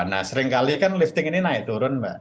nah seringkali kan lifting ini naik turun mbak